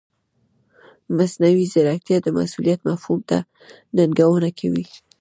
مصنوعي ځیرکتیا د مسؤلیت مفهوم ته ننګونه کوي.